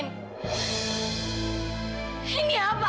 tante percayakan sama haida